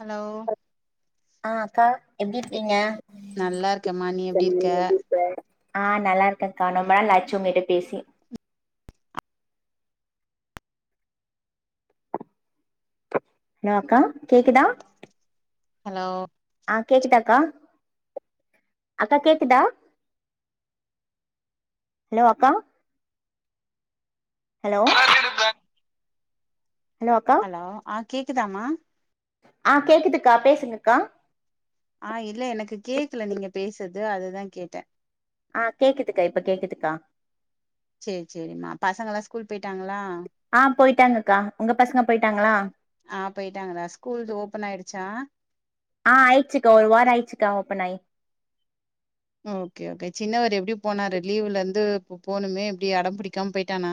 hello ஆஹ் அக்கா எப்டி இருக்கீங்க நல்லா இருக்கேம்மா நீ எப்டி இருக்க ஆஹ் நல்லா இருக்கக்கா ரொம்ப நாள் ஆச்சு உங்ககிட்ட பேசி ஹலோ அக்கா கேக்குதா ஹலோ ஆஹ் கேக்குதாக்கா அக்கா கேக்குதா ஹலோ அக்கா ஹலோ ஹலோ ஆ கேக்குதாமா ஆ கேக்குதுக்கா பேசுங்கக்கா ஆஹ் இல்ல எனக்கு கேக்கல நீங்க பேசறது அதுதா கேட்டே ஆஹ் கேக்குதுக்கா இப்ப கேக்குதுக்கா சரி சரிம்மா பசங்க எல்லா ஸ்கூல் போயிட்டாங்களா ஆஹ் போயிட்டாங்க கா உங்க பசங்க போயிட்டாங்களா ச்சா ஆஹ் ஆயிடுச்சுக்கா ஒரு வார ஆயிடுச்சுக்கா ஓப்பனாயி ஓகே ஓகே சின்னவர் எப்படி போனாரு லீவ்ல இருந்து இப்ப போணுமே எப்பிடி அடம் பிடிக்காம போயிட்டானா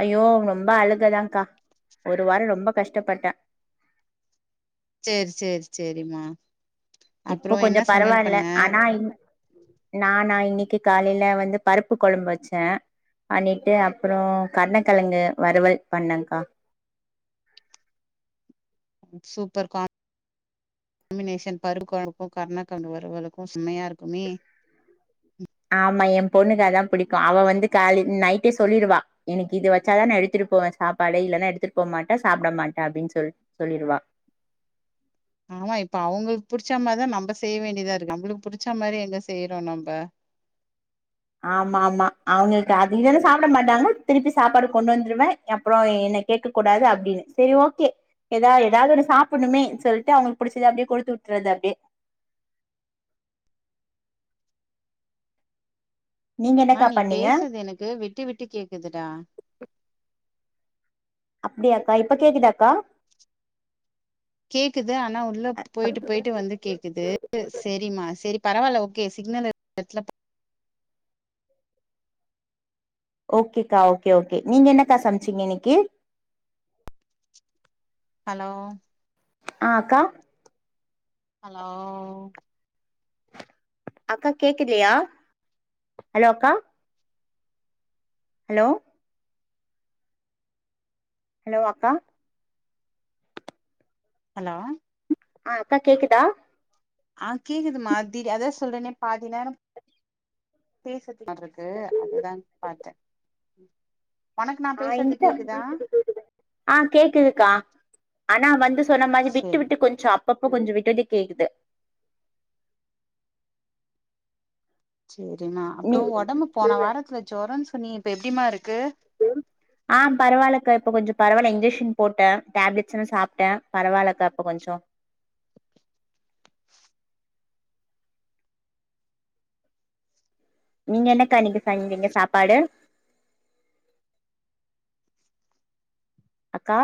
ஐயோ ரொம்ப அழுகதான்கா ஒரு வார ரொம்ப கஷ்டப்பட்டே சேரி சேரி சேரிம்மா இப்போ அப்றோ என்ன கொஞ்சம் சமையல் பரவாயில்ல பண்ண ஆனா நானா இன்னிக்கு காலையில வந்து பருப்பு கொழம்பு வெச்ச பண்ணிட்டு அப்புறம் கர்ணக்கெழங்கு வறுவல் பண்ணே கா சூப்பர் காம்பினேஷன் பருப்பு குழம்புக்கும் கர்ணா கெழங்கு வருவலுக்கு சம்மையா இருக்குமே ஆமா என் பொண்ணுக்கு அதா பிடிக்கும் அவ வந்து காலைல நைட்டே சொல்லிடுவா எனக்கு இது வெச்சாதா நா எடுத்துட்டு போவே சாப்பாடு இல்லன்னா எடுத்துட்டு போ மாட்டா சாப்பிட மாட்ட அப்டின்னு சொல்லிடுவா ஆமா இப்ப அவங்களுக்கு புடிச்சா மாரிதா நம்ம செய்ய வேண்டியதா இருக்கு நம்மளுக்கு புடிச்ச மாரி எங்க செய்றோ நம்ம ஆமா ஆமா அவங்களுக்கு அதுதானே சாப்பிட மாட்டாங்க திருப்பி சாப்பாடு கொண்டு வந்துருவே அப்புறம் என்ன கேட்க கூடாது அப்டின்னு செரி ஓகே ஏதாவ ஏதாவது ஒரு சாப்பிடணுமேன்னு சொல்லிட்டு அவங்களுக்கு பிடிச்சத அப்டியே குடுத்து விட்றது அப்டியே நீங்க மா என்னக்கா நீ பண்ணீங்க பேசது எனக்கு விட்டு விட்டு கேக்குதுடா அப்டியாக்கா இப்ப கேக்குதாக்கா கேக்குது ஆனா உள்ள போயிட்டு போயிட்டு வந்து கேக்குது செரிமா செரி பரவாயில்ல ஓகே சிக்னல் இலாத எடத்தல ஓகேக்கா ஓகே ஓகே நீங்க என்னக்கா சமச்சீங்க இன்னிக்கு ஹலோ ஆஹ் அக்கா ஹலோ அக்கா கேக்கலயா ஹலோ அக்கா ஹலோ ஹலோ அக்கா ஹலோ ஆஹ் அக்கா கேக்குதா ஆஹ் கேக்குது மா அதா சொல்றனே பாதி நேரம் பேசத மாரி இருக்கு அதுதா பாத்தே ஒனக்கு நா ஆஹ் பேசுறது இங்க கேக்குதா ஆஹ் கேக்குதுக்கா ஆனா வந்து சொன்ன மாரி விட்டு சேரி விட்டு கொஞ்சம் அ அப்ப கொஞ்சம் விட்டுட்டு கேக்குது செரிம்மா நீ அப்புறம் ஒடம்பு போன வாரத்துல ஜொரம் நீ இப்ப எப்டிமா இருக் ஆஹ் பரவாயில்லக்கா இப்ப கொஞ்சோ பரவாயில்ல இன்ஜெக்ஷன் போட்டே டேப்லெட்ஸ் எல்லா சாப்பிட்ட பரவாயில்லக்கா இப்ப கொஞ்சோ நீங்க என்னக்கா இன்னிக்கு செஞ்சீங்க சாப்பாடு அக்கா